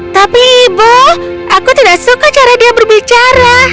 tapi ibu aku tidak suka cara dia berbicara